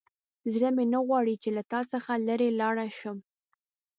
زړه مې نه غواړي چې له تا څخه لیرې لاړ شم.